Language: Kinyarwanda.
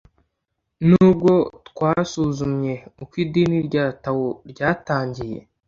nubwo twasuzumye uko idini rya tao ryatangiye